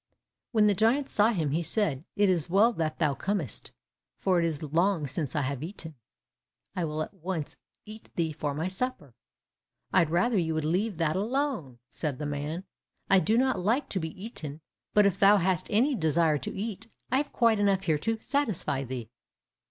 When the giant saw him, he said, "It is well that thou comest, for it is long since I have eaten; I will at once eat thee for my supper." "I'd rather you would leave that alone," said the man, "I do not like to be eaten; but if thou hast any desire to eat, I have quite enough here to satisfy thee."